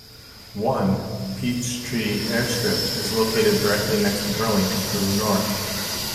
One, Pietschtree airstrip, is located directly next to Burlington to the north.